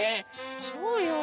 そうよ。